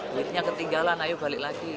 duitnya ketinggalan ayo balik lagi